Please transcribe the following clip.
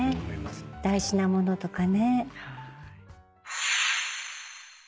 大事なものとかね。